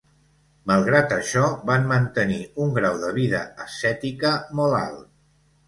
Malgrat això, van mantenir un grau de vida ascètica molt alt.